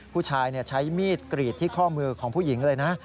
ผู้ชายใช้มีดกรีดที่ข้อมือของผู้หญิงเลยนะ